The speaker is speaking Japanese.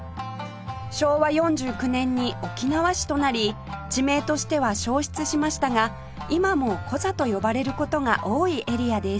昭和４９年に沖縄市となり地名としては消失しましたが今もコザと呼ばれる事が多いエリアです